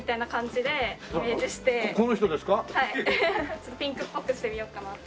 ちょっとピンクっぽくしてみようかなと。